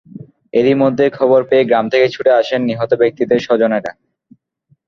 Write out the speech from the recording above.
এরই মধ্যে খবর পেয়ে গ্রাম থেকে ছুটে আসেন নিহত ব্যক্তিদের স্বজনেরা।